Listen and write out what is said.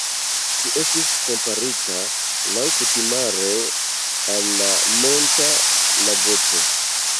Ĝi estis komparita laŭ kutimaro al la Monta lagopo.